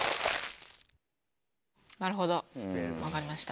なるほど分かりました。